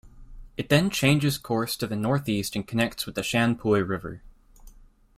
It then changes course to the northeast and connects with Shan Pui River.